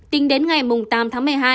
tính đến ngày tám tháng một mươi hai